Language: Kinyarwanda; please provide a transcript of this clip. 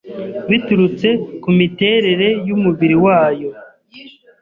biturutse ku miterere y’umubiri wayo